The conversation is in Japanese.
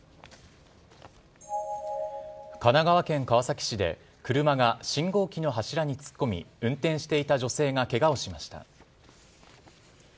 神奈川県川崎市で、車が信号機の柱に突っ込み、運転していた女性がけがをしました。